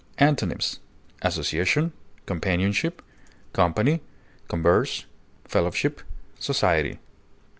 Antonyms: association, companionship, company, converse, fellowship, society.